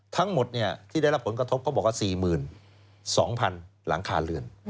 ทั้งหมดที่ได้รับผลกระทบเขาบอกว่า๔๒๐๐๐หลังคาเรือน